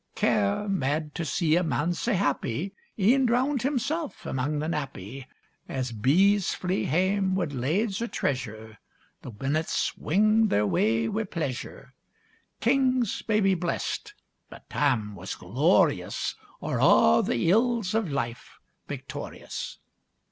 Care, mad to see a man sae happy, E'en drowned himself amang the nappy; As bees flee hame wi' lades o' treasure, The minutes winged their way wi' pleasure: Kings may be blest, but Tam was glorious, O'er a' the ills o' life victorious!